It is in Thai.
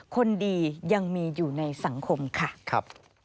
คนดียังมีอยู่ในสังคมค่ะ